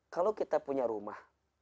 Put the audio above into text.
kalau kita punya rumah